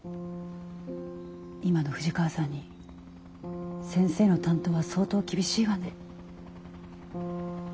今の藤川さんに先生の担当は相当厳しいわね。